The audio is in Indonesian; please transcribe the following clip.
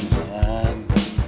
wah ceng bang